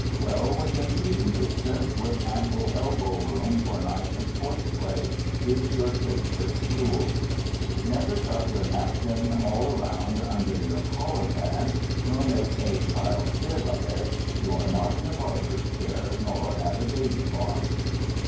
Well within feeding distance, with ample elbow room for knife and fork play, is your safest rule. Never tuck your napkin all around under your collar band, nor make a child's bib of it. You are not in a barber's chair nor at a baby farm.